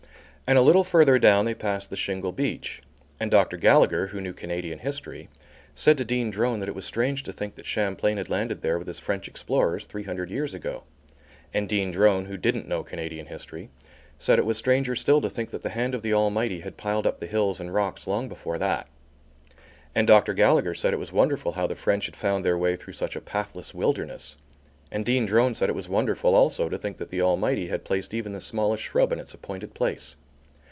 And a little further down they passed the Shingle Beach, and Dr. Gallagher, who knew Canadian history, said to Dean Drone that it was strange to think that Champlain had landed there with his French explorers three hundred years ago; and Dean Drone, who didn't know Canadian history, said it was stranger still to think that the hand of the Almighty had piled up the hills and rocks long before that; and Dr. Gallagher said it was wonderful how the French had found their way through such a pathless wilderness; and Dean Drone said that it was wonderful also to think that the Almighty had placed even the smallest shrub in its appointed place.